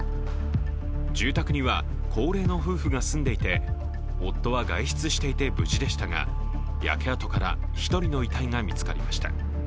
住宅には高齢の夫婦が住んでいて夫は外出していて無事でしたが焼け跡から、１人の遺体が見つかりました。